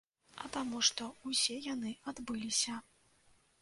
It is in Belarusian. А таму што ўсе яны адбыліся.